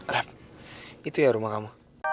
raff itu ya rumah kamu